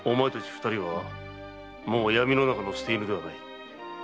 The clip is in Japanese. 二人はもう闇の中の捨て犬ではない。